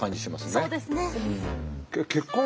そうですね。